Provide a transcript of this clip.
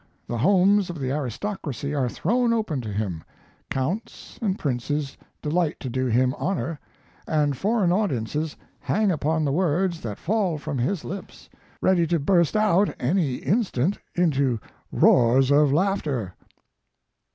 The homes of the aristocracy are thrown open to him, counts and princes delight to do him honor, and foreign audiences hang upon the words that fall from his lips, ready to burst out any instant into roars of laughter.